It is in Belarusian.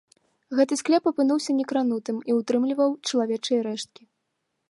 Гэты склеп апынуўся некранутым і ўтрымліваў чалавечыя рэшткі.